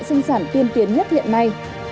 sinh sản tiên tiến nhất hiện nay